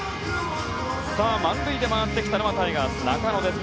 満塁で回っていたのはタイガースの中野です。